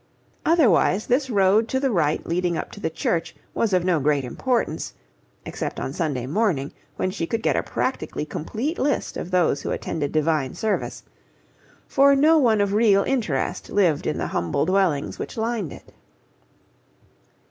Otherwise this road to the right leading up to the church was of no great importance (except on Sunday morning, when she could get a practically complete list of those who attended Divine Service), for no one of real interest lived in the humble dwellings which lined it.